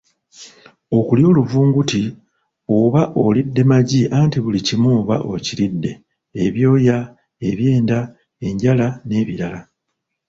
"Okulya oluvulunguti oba olidde magi anti buli kimu oba okiridde ebyoya, ebyenda, enjala n’ebirala"